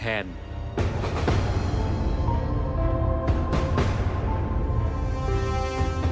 จากนั้นพวกมันต้องกลับมาส่งพันธุ์ของพันธุ์ของพวกมัน